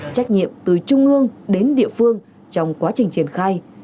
trách nhiệm từ trung ương đến địa phương trong quá trình triển khai